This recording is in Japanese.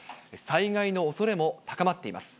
災害のおそれも高まっています。